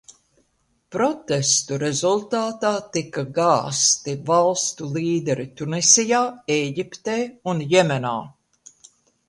Protestu rezultātā tika gāzti valstu līderi Tunisijā, Ēģiptē un Jemenā.